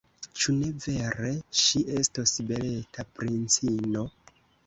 Ĉu ne vere, ŝi estos beleta princino?